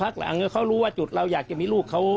เขารู้ว่าจุดเราอยากจะมีลูก